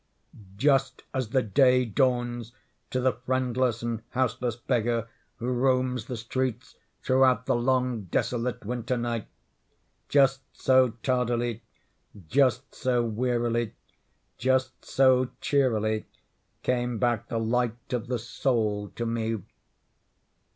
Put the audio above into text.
Just as the day dawns to the friendless and houseless beggar who roams the streets throughout the long desolate winter night—just so tardily—just so wearily—just so cheerily came back the light of the Soul to me.